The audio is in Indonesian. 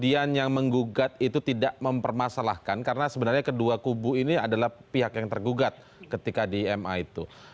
kemudian yang menggugat itu tidak mempermasalahkan karena sebenarnya kedua kubu ini adalah pihak yang tergugat ketika di ma itu